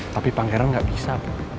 tapi pangeran gak bisa